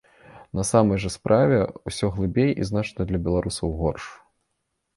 На самай жа справе ўсё глыбей і значна для беларусаў горш.